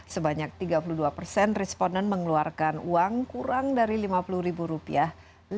sebanyak tiga puluh dua persen responden mengeluarkan uang kurang dari lima puluh ribu rupiah